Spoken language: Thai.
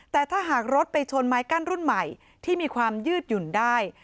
แต่ถ้าหากรถไปชนไม้กั้นรุ่นใหม่ที่มีความยืดหยุ่นได้